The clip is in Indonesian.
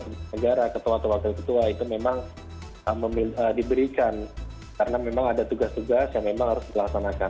kepala negara ketua atau wakil ketua itu memang diberikan karena memang ada tugas tugas yang memang harus dilaksanakan